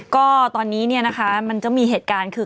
ก็ตอนนี้มันจะมีเหตุการณ์คือ